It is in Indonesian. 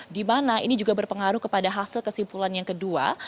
dimana ini juga berpengaruh kepada hasil kesimpulan yang kedua